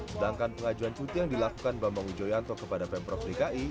sedangkan pengajuan cuti yang dilakukan bambang wijoyanto kepada pemprov dki